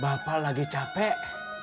bapak lagi capek